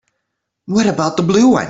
What about the blue one?